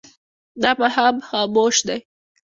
دا ماښام خاموش دی.